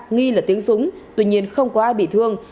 nghi là tiếng súng tuy nhiên không có ai bị thương